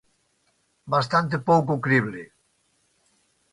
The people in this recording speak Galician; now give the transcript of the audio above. Bastante pouco crible.